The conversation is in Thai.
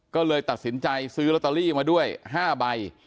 ก็เลยตัดสินใจซื้อลอตเตอรี่มาด้วย๕ใบ